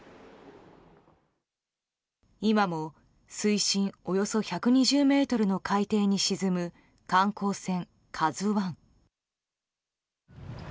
今も水深およそ１２０ｍの海底に沈む、観光船「ＫＡＺＵ１」。